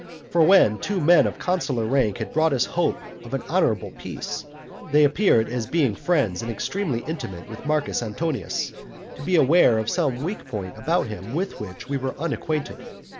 For when two men of consular rank had brought us hope of an honorable peace, they appeared as being friends and extremely intimate with Marcus Antonius, to be aware of some weak point about him with which we were unacquainted.